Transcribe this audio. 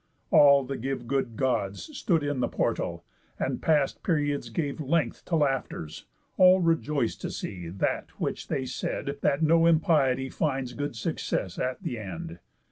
All the give good Gods Stood in the portal, and past periods Gave length to laughters, all rejoic'd to see That which they said, that no impiety Finds good success at th' end.